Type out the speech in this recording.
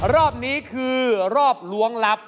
รอบนี้คือรอบล้วงลับ